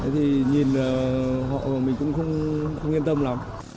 thì nhìn họ mình cũng không yên tâm lắm